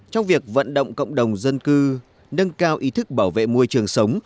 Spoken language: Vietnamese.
trong việc vận động cộng đồng dân cư nâng cao ý thức bảo vệ môi trường sống